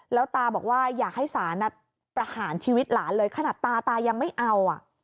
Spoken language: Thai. แล้วตาบอกว่าอยากให้ศาลประหารชีวิตหลานเลยขนาดตาตายังไม่เอา